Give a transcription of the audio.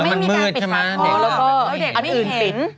ไม่มีการปิดฝาท่อแล้วเด็กไม่เห็น